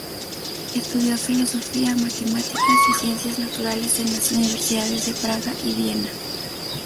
Estudió filosofía, matemáticas y ciencias naturales en las universidades de Praga y Viena.